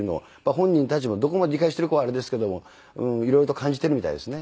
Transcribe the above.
本人たちもどこまで理解してるかはあれですけども色々と感じているみたいですね。